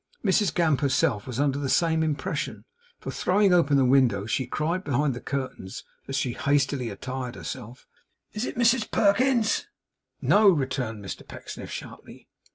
Mrs Gamp herself was under the same impression, for, throwing open the window, she cried behind the curtains, as she hastily attired herself 'Is it Mrs Perkins?' 'No!' returned Mr Pecksniff, sharply.